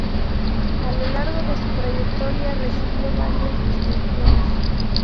A lo largo de su trayectoria recibió varias distinciones.